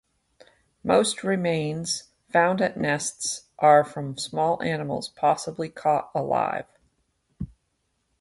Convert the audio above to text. Most remains found at nests are from small animals possibly caught alive.